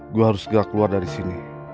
gue harus segera keluar dari sini